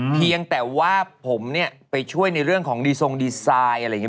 เพียงแต่ว่าผมไปช่วยในเรื่องของดีทรงดีไซน์อะไรอย่างนี้